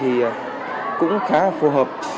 thì cũng khá phù hợp